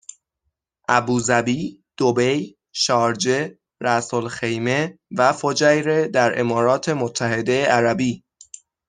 ابوظبی دبی شارجه رأسالخیمه و فجیره در امارات متحده عربی